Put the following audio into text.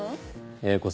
英子さん